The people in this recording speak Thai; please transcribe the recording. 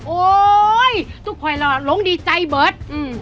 โอ๊ยทุกคนเราลงดีใจเบิร์ต